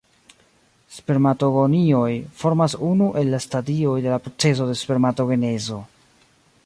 Spermatogonioj formas unu el la stadioj de la procezo spermatogenezo.